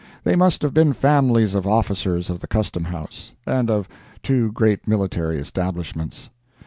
They must have been families of officers of the Custom House, and of the two great military establishments.